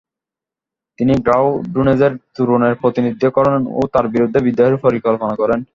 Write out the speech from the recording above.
তিনি গ্রাউডুনেজেব তোরনের প্রতিনিধিত্ব করেন ও তাদের বিরুদ্ধে বিদ্রোহের পরিকল্পনা করেন।